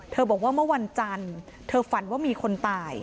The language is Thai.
บอกว่าเมื่อวันจันทร์เธอฝันว่ามีคนตาย